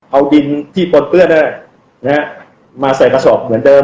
เอาดินที่ปนเปื้อนมาใส่กระสอบเหมือนเดิม